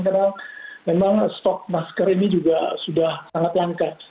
karena memang stok masker ini juga sudah sangat langka